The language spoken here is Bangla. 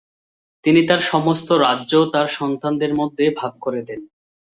তিনি তার সমস্ত রাজ্য তার সন্তানদের মধ্যে ভাগ করে দেন।